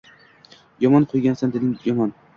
Yomon quygansan, dedim yomon.